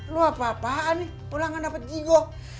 lu apa apaan bolan gak dapet jigo